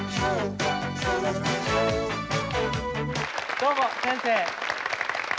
どうも先生。